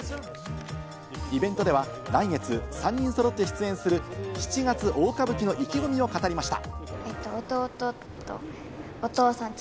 イベントでは来月３人そろって出演する『七月大歌舞伎』の意気込みを語りました。